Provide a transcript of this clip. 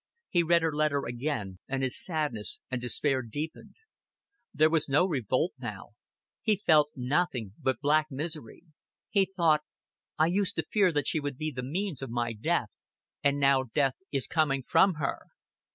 He read her letter again, and his sadness and despair deepened. There was no revolt now; he felt nothing but black misery. He thought: "I used to fear that she would be the means of my death, and now death is coming from her.